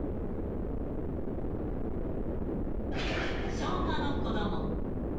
昭和の子ども。